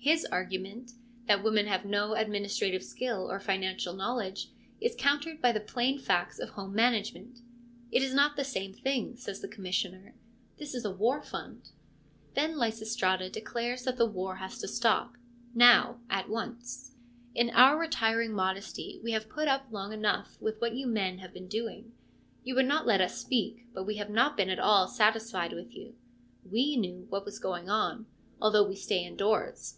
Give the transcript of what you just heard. His argument, that women have no administrative skill or financial knowledge, is countered by the plain facts of home management. ' It is not the same thing/ says the Commissioner ;' this is a war fund.' Then Lysistrata declares that the war has to stop — now, at once. ARISTOPHANES 161 In our retiring modesty we have put up long enough with what you men have been doing. You would not let us speak, but we have not been at all satisfied with you. We knew what was going on, although we stay indoors.